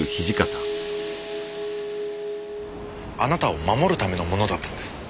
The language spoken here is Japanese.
あなたを守るためのものだったんです。